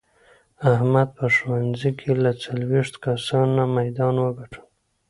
احمد په ښوونځې کې له څلوېښتو کسانو نه میدان و ګټلو.